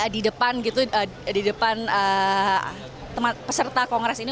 di depan peserta kongres ini